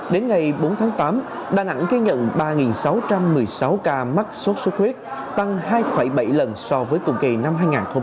đến ngày bốn tháng tám đà nẵng ghi nhận ba sáu trăm một mươi sáu ca mắc sốt xuất huyết tăng hai bảy lần so với cùng kỳ năm hai nghìn một mươi tám